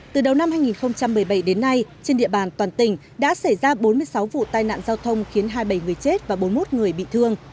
từ đầu năm hai nghìn một mươi bảy đến nay trên địa bàn toàn tỉnh đã xảy ra bốn mươi sáu vụ tai nạn giao thông khiến hai mươi bảy người chết và bốn mươi một người bị thương